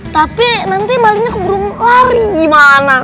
tapi nanti malingnya keburu lari gimana